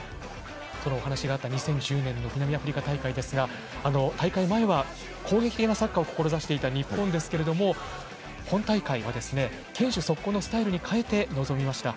その話があった２０１０年の南アフリカ大会ですが大会前は攻撃的なサッカーを志していた日本ですけれど本大会は堅守速攻のスタイルに変えて臨みました。